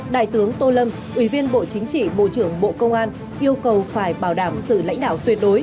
đại tướng tô lâm ủy viên bộ chính trị bộ trưởng bộ công an yêu cầu phải bảo đảm sự lãnh đạo tuyệt đối